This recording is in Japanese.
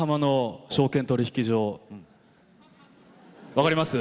分かります？